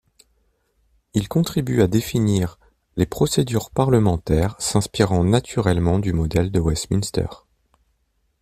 Il contribue à définir les procédures parlementaires, s'inspirant naturellement du modèle de Westminster.